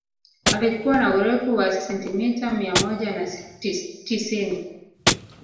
Alikuwa na urefu wa sentimita mia moja na tisini